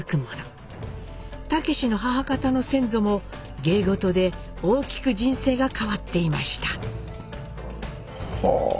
武司の母方の先祖も芸事で大きく人生が変わっていました。